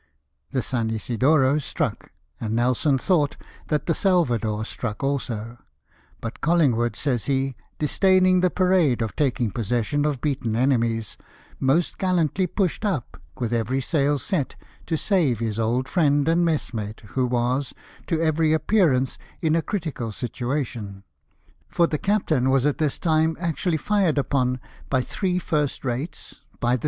The S. Isidro struck, and Nelson thought that the Salvador struck also ;" But Col lingwood," says he, " disdaining the parade of taking possession of beaten enemies, most gallantly pushed up, with every sail set, to save his old friend and messmate, who was, to every appearance, in a critical situation ;" for the Captain was at this time actually fired upon by three first rates, by the S.